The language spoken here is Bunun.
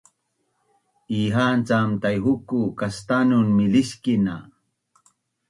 Iha’an cam Taihuku kastanun miliskin na